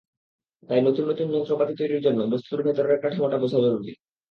তাই নতুন নতুন যন্ত্রপাতি তৈরির জন্য বস্তুর ভেতরের কাঠামোটা বোঝা জরুরি।